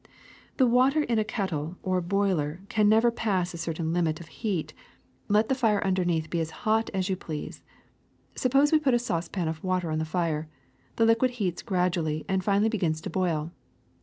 The water in a kettle or boiler can never pass a certain 213 214^ THE SECRET OF EVERYDAY THINGS limit of heat, let the fire underneath be as hot as you please. Suppose we put a saucepan of water on the fire. The liquid heats gradually and finally begins to boil.